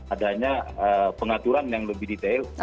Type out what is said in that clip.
adanya pengaturan yang lebih detail